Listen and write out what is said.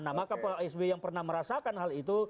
nah maka pak sby yang pernah merasakan hal itu